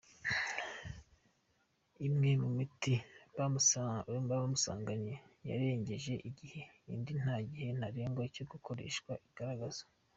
Imwe mu miti bamusanganye yarengeje igihe, indi nta gihe ntarengwa cyo gukoreshwa igaragaza.